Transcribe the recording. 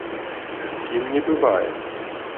З кім не бывае?